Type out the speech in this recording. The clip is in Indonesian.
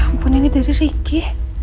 ya ampun ini dari riki